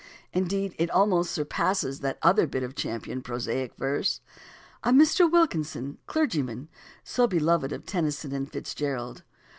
Indeed, it almost surpasses that other bit of champion prosaic verse, ''A Mr. Wilkinson, a clergyman," so beloved of Tennyson and Fitzgerald.